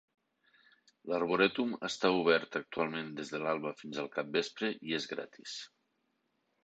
L'Arboretum està obert actualment des de l'alba fins el capvespre, i és gratis.